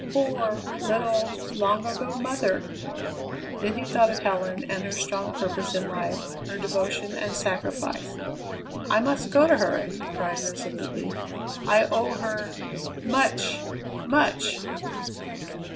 "Poor, little, long ago mother!" Then he thought of Helen and her strong purpose in life, her devotion and sacrifice. "I must go to her!" he cried resolutely. "I owe her much, much!"